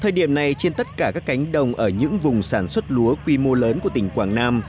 thời điểm này trên tất cả các cánh đồng ở những vùng sản xuất lúa quy mô lớn của tỉnh quảng nam